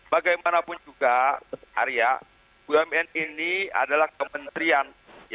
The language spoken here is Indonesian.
bagaimanapun juga arya bumn ini adalah kementerian